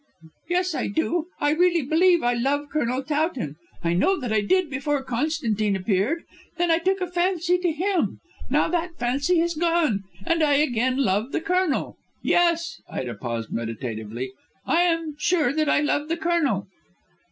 "Yes, I do. I really believe I love Colonel Towton. I know that I did before Constantine appeared. Then I took a fancy to him. Now that fancy has gone, and I again love the Colonel. Yes," Ida paused meditatively, "I am sure that I love the Colonel."